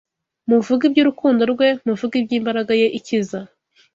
Muvuge iby’urukundo rwe; muvuge iby’imbaraga ye ikiza